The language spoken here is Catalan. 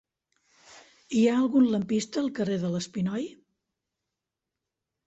Hi ha algun lampista al carrer de l'Espinoi?